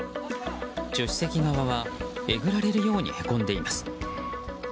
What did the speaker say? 助手席側は、えぐられるようにへこんでいます。